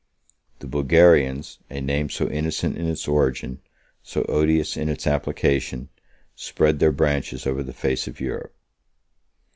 The Bulgarians, 29 a name so innocent in its origin, so odious in its application, spread their branches over the face of Europe.